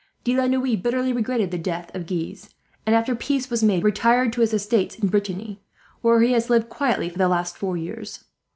De la Noue bitterly regretted the death of Guise and, after peace was made, retired to his estates in Brittany, where he has lived quietly for the last four years.